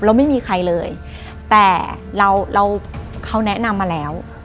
เราไม่มีใครเลยแต่เราเราเขาแนะนำมาแล้ว